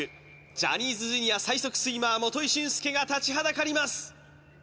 ジャニーズＪｒ．最速スイマー基俊介が立ちはだかります